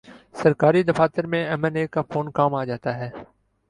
سرکاری دفاتر میں ایم این اے کا فون کام آجا تا ہے۔